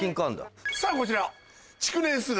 さぁこちら。